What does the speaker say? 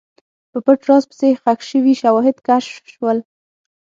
په پټ راز پسې، ښخ شوي شواهد کشف شول.